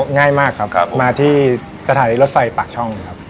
ง่ายมากครับมาที่สถานีรถไฟปากช่องครับ